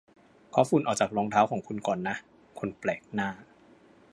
เคาะฝุ่นออกจากรองเท้าของคุณก่อนนะ คนแปลกหน้า